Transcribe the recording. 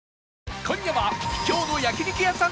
今夜は秘境の焼肉屋さん